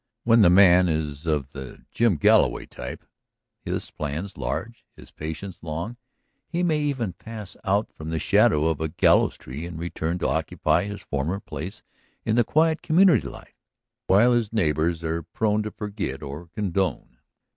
When the man is of the Jim Galloway type, his plans large, his patience long, he may even pass out from the shadow of a gallows tree and return to occupy his former place in the quiet community life, while his neighbors are prone to forget or condone.